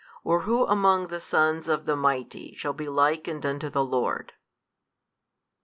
or who among the sons of the mighty shall be likened unto the Lord?